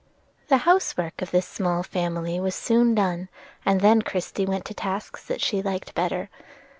The house work of this small family was soon done, and then Christie went to tasks that she liked better.